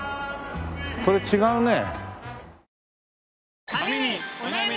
これ違うね。